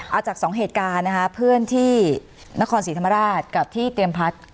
เอาจากสองเหตุการณ์นะคะเพื่อนที่นครศรีธรรมราชกับที่เตรียมพัฒน์